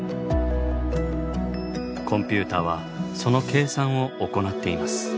コンピューターはその計算を行っています。